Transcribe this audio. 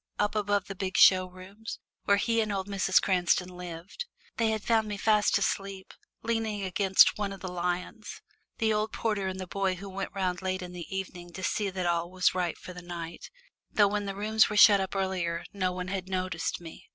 up above the big show rooms, where he and old Mrs. Cranston lived. They had found me fast asleep, leaning against one of the lions the old porter and the boy who went round late in the evening to see that all was right for the night, though when the rooms were shut up earlier no one had noticed me.